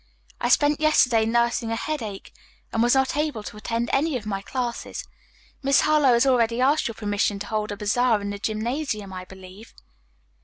I spent yesterday nursing a headache and was not able to attend any of my classes. Miss Harlowe has already asked your permission to hold a bazaar in the gymnasium, I believe."